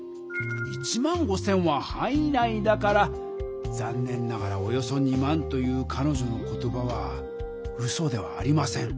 １５０００ははんい内だからざんねんながらおよそ２万というかのじょの言葉はうそではありません。